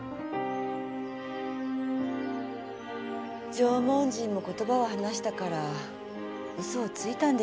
縄文人も言葉を話したから嘘をついたんでしょうね。